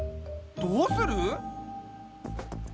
どうする？